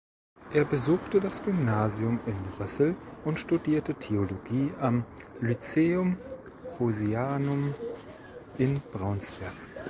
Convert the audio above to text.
Er besuchte das Gymnasium in Rößel und studierte Theologie am Lyceum Hosianum in Braunsberg.